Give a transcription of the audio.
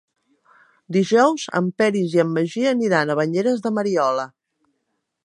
Dijous en Peris i en Magí aniran a Banyeres de Mariola.